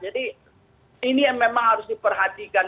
ini yang memang harus diperhatikan